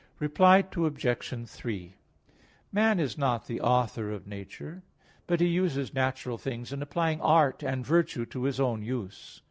Reply Obj. 3: Man is not the author of nature; but he uses natural things in applying art and virtue to his own use.